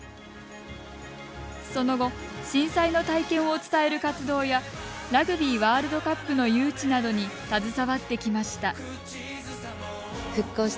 その後震災の体験を伝える活動やラグビーワールドカップの誘致などに携わってきました。